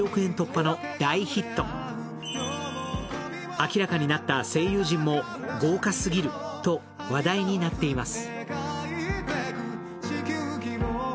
明らかになった声優陣も豪華すぎると話題になっています。